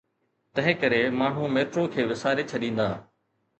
تنهنڪري ماڻهو ميٽرو کي وساري ڇڏيندا.